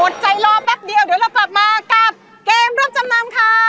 ใจรอแป๊บเดียวเดี๋ยวเรากลับมากับเกมรับจำนำค่ะ